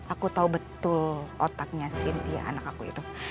aku tahu betul otaknya sintia anak aku itu